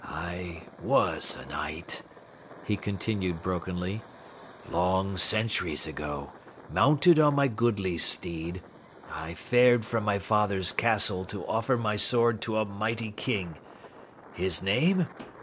"I was a knight," he continued brokenly. "Long centuries ago, mounted on my goodly steed, I fared from my father's castle to offer my sword to a mighty king. His name?"